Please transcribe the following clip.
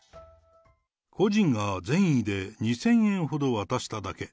個人が善意で２０００円ほど渡しただけ。